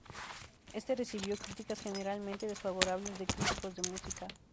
Este recibió críticas generalmente desfavorables de críticos de música.